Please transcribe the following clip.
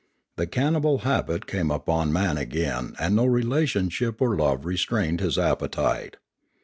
The cannibal habit came upon man again and no re lationship or love restrained his appetite.